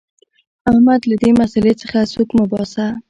احمده! له دې مسئلې څخه سوک مه باسه.